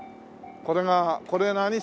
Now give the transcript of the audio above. これがこれ何線？